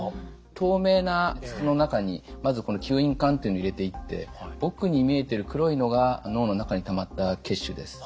透明な筒の中にまずこの吸引管というのを入れていって奥に見えてる黒いのが脳の中にたまった血腫です。